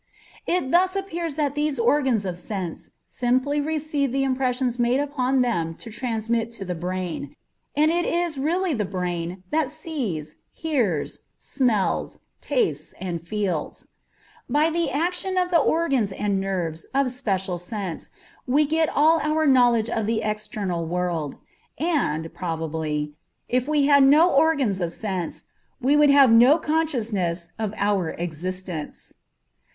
It thus appears that these organs of sense simply receive the impressions made upon them to transmit to the brain, and it is really the brain that sees, hears, smells, tastes, and feels. By the action of the organs and nerves of special sense we get all our knowledge of the external world, and, probably, if we had no organs of sense, we would have no consciousness of our existence.